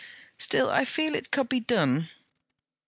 'Still I feel it could be done.